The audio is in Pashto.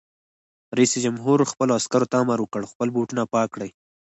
رئیس جمهور خپلو عسکرو ته امر وکړ؛ خپل بوټونه پاک کړئ!